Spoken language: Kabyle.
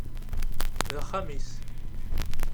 D axxam-is.